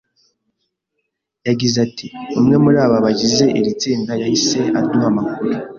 Yagize ati “Umwe muri aba bagize iri tsinda yahise aduha makuru,